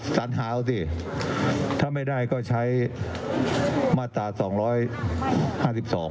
สัญหาเอาสิถ้าไม่ได้ก็ใช้มาตราสองร้อยห้าสิบสอง